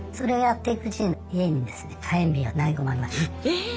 えっ！